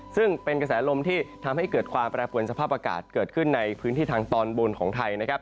ซึ่งเป็นกระแสลมที่ทำให้เกิดความแปรปวนสภาพอากาศเกิดขึ้นในพื้นที่ทางตอนบนของไทยนะครับ